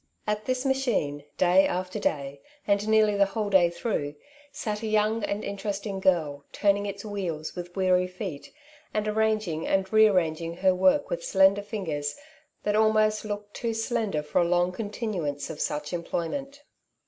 At this machine, day after day, and nearly the whole day through, sat a young and interesting girl, turning its wheels with weary feet, and arrang ing and rearranging her work with slender fingers B 2 4 " Two Sides to every Question^ that almost looked too slender for a long continuance of such employment.